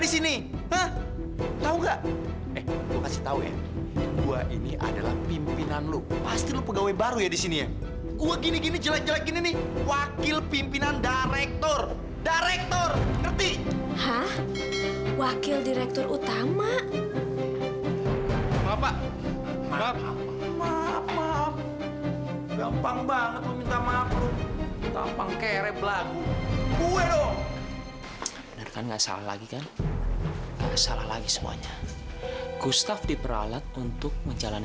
sampai jumpa di video selanjutnya